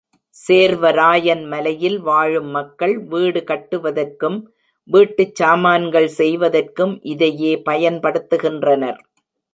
சேர்வராயன் மலையில் வாழும் மக்கள் வீடு கட்டுவதற்கும், வீட்டுச் சாமான்கள் செய்வதற்கும் இதையே பயன்படுத்துகின்றனர்.